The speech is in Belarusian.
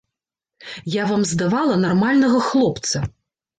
Я вам здавала нармальнага хлопца.